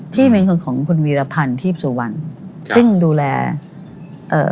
ที่เป็นคนของคุณวีรพันธ์ทีพสุวรรณซึ่งดูแลเอ่อ